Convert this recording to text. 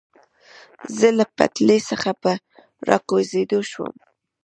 زه له پټلۍ څخه په را کوزېدو شوم.